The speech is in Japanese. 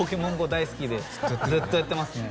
大好きでずっとやってますね